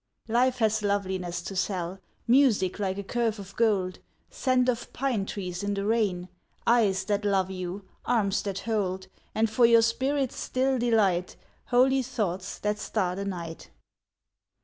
Life has loveliness to sell, Music like a curve of gold, Scent of pine trees in the rain, Eyes that love you, arms that hold, And for your spirit's still delight, Holy thoughts that star the night.